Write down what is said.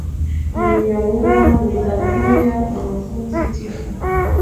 Niliamua nitakuwa mwanafunzi mtiifu.